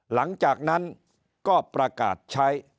หลังจากนั้นก็ประกาศใช้